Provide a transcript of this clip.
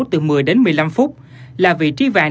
từ một mươi đến một mươi năm phút là vị trí vàng